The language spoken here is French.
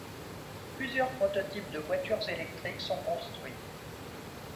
Plusieurs prototypes de voitures électriques sont construits.